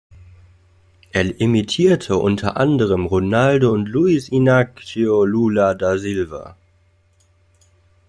Er imitierte unter anderem Ronaldo und Luiz Inácio Lula da Silva.